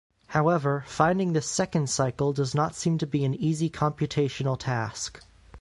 However, finding this second cycle does not seem to be an easy computational task.